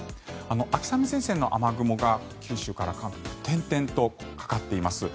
秋雨前線の雨雲が、九州から関東点々とかかっています。